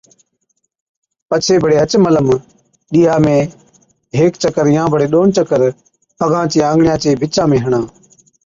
پڇي بڙي هچ ملم ڏِيها ۾ هيڪ چڪر يان بڙي ڏون چڪر پگان چي انگڙِيان چي بِچا ۾ هڻا۔